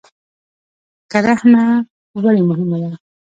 کرهڼه ولې مهمه ده؟